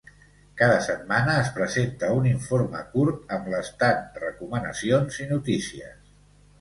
Cada setmana es presenta un informe curt, amb l'estat, recomanacions i notícies.